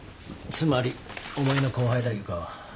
つまりお前の後輩だ湯川。